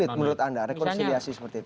menurut anda rekonsiliasi seperti itu